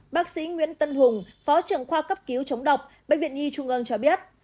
bác sĩ nguyễn tân hùng phó trưởng khoa cấp cứu chống độc bệnh viện nhi trung ương cho biết